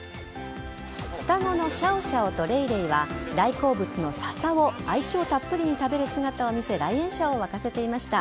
双子のシャオシャオとレイレイは大好物の笹を愛嬌たっぷりに食べる姿を見せ来園者を沸かせていました。